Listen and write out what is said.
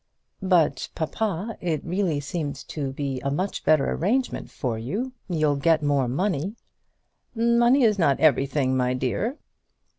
"But, papa, it really seems to be a much better arrangement for you. You'll get more money " "Money is not everything, my dear."